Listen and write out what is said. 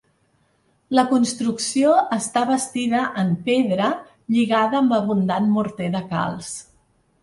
La construcció està bastida en pedra lligada amb abundant morter de calç.